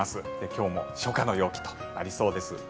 今日も初夏の陽気となりそうです。